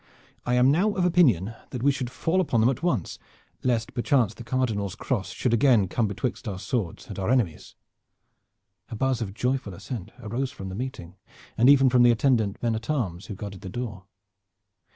I am now of opinion that we should fall upon them at once, lest perchance the Cardinal's cross should again come betwixt our swords and our enemies." A buzz of joyful assent arose from the meeting, and even from the attendant men at arms who guarded the door.